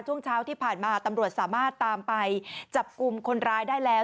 ช่วงเช้าที่ผ่านมาตำรวจสามารถตามไปจับกลุ่มคนร้ายได้แล้ว